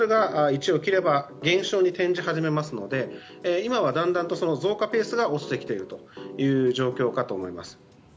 １を切れば減少に転じ始めますので今はだんだんと増加ペースが落ちてきている状況だと思います。